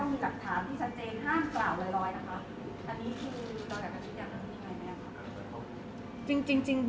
บอกว่าใครทำอะไรที่ไหนอย่างไร